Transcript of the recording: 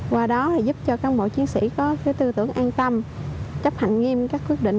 qua đó giúp cho các mẫu chiến sĩ có tư tưởng an tâm chấp hạnh nghiêm các quyết định